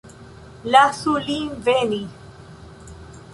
Lasu lin veni.